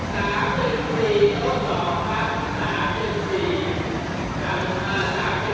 สาธิตรีสาธิตรีสาธิตรีสาธิตรี